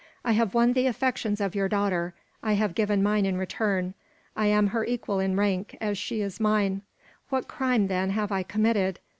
"I have won the affections of your daughter. I have given mine in return. I am her equal in rank, as she is mine. What crime, then, have I committed?